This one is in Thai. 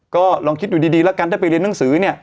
ก็ลองคิดดูดีแล้วกันได้ไปเรียนหนังสือเนี่ย